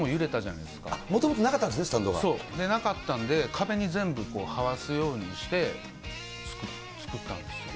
もともとなかったんですね、そう、なかったんで、壁に全部はわすようにして、作ったんです。